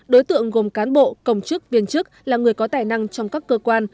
đối tượng gồm cán bộ công chức viên chức là người có tài năng trong các cơ quan